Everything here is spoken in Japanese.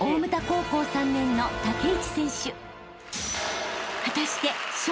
高校３年の竹市選手］